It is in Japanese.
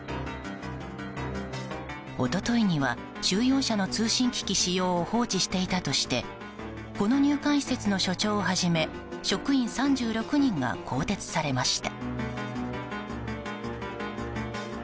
一昨日には収容者の通信機器使用を放置していたとしてこの入管施設の所長をはじめ職員３６人が更迭されました。